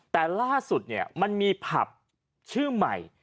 แต่ล่าสุดเนี่ยมันมีผับชื่อใหม่